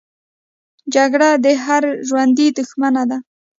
جګړه د هر ژوندي دښمنه ده